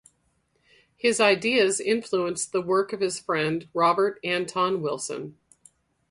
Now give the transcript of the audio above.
His ideas influenced the work of his friend Robert Anton Wilson.